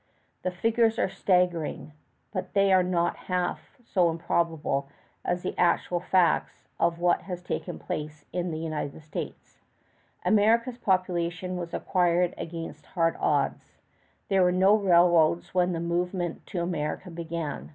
{ix} The figures are staggering, but they are not half so improbable as the actual facts of what has taken place in the United States. America's population was acquired against hard odds. There were no railroads when the movement to America began.